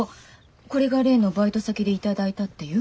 これが例のバイト先で頂いたっていう？